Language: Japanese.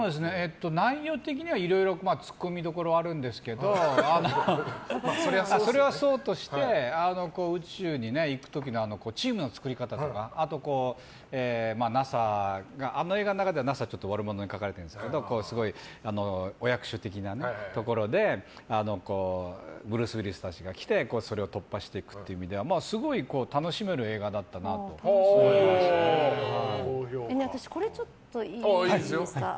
内容的にはいろいろ突っ込みどころあるんですけどそれはそうとして宇宙に行く時のチームの作り方とかあとＮＡＳＡがあの映画の中ではＮＡＳＡが悪者に描かれてるんですけどお役所的なところでブルース・ウィリスたちが来てそれを突破していくという意味ではすごい楽しめる映画だったなと私、これいいですか。